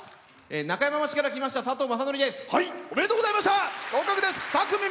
中山町から来ましたさとうです。